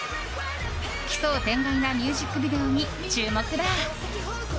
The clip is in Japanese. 奇想天外なミュージックビデオに注目だ。